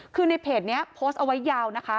คือในเพจนี้โพสต์เอาไว้ยาวนะคะ